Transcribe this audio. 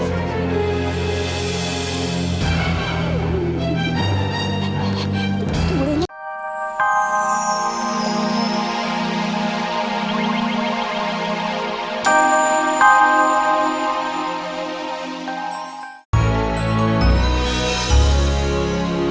aku sudah menemukan